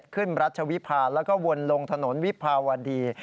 รัชวิพาแล้วก็วนลงถนนวิภาวดี